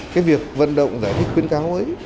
cái việc vận động giải thích khuyến cáo ấy